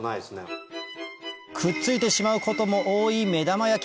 くっついてしまうことも多い目玉焼き